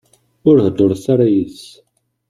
Ur heddṛet ara yid-s.